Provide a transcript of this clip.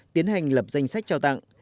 tiến hành lập danh sách trao tặng